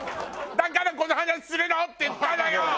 だから「この話するの？」って言ったのよ！